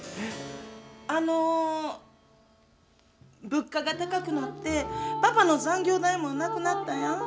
あのー、物価が高くなって、パパの残業代もなくなったやん。